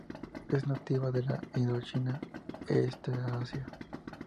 Es nativa de Indochina y este de Asia.